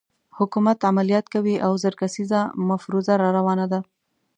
حکومت عملیات کوي او زر کسیزه مفروزه راروانه ده.